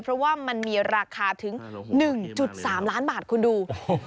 เพราะว่ามันมีราคาถึง๑๓ล้านบาทคุณดู